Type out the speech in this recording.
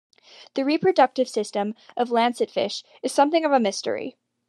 The reproductive system of lancetfish is something of a mystery.